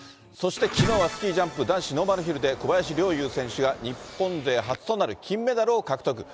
そしてきのうはスキージャンプ男子ノーマルヒルで小林陵侑選手が日本で初となる金メダルを獲得。